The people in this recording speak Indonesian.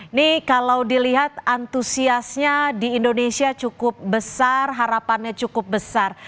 ini kalau dilihat antusiasnya di indonesia cukup besar harapannya cukup besar